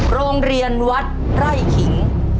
โรงเรียนวัดไร่ขิง